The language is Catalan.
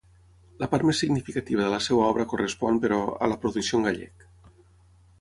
La part més significativa de la seva obra correspon, però, a la producció en gallec.